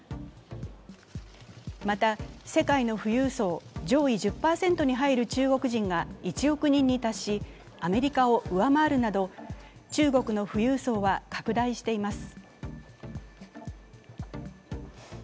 また世界の富裕層上位１０％に入る中国人が１億人に達しアメリカを上回るなど中国の富裕層は拡大しています。